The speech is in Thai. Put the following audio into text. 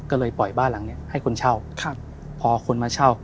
ก็เลยปล่อยบ้านหลังเนี้ยให้คนเช่าครับพอคนมาเช่า